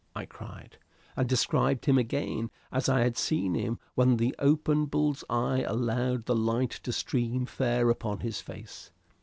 I cried, and described him again as I had seen him when the open bull's eye allowed the light to stream fair upon his face.